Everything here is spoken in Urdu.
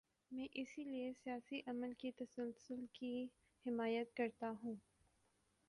میں اسی لیے سیاسی عمل کے تسلسل کی حمایت کرتا ہوں۔